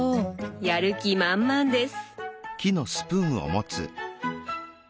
やる気満々です。